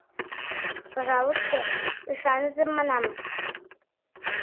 Пожалысте, ӱшаныза, — манам.